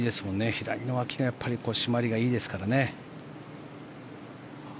左の脇が締まりがいいですからね。